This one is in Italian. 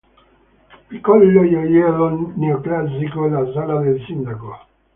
Piccolo gioiello neoclassico è la sala del Sindaco.